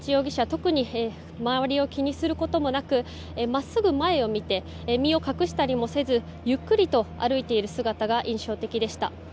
特に周りを気にすることもなく真っすぐ前を見て身を隠したりもせずゆっくりと歩いている姿が印象的でした。